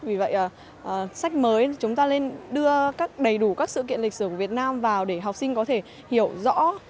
vì vậy sách mới chúng ta nên đưa các đầy đủ các sự kiện lịch sử của việt nam vào để học sinh có thể hiểu rõ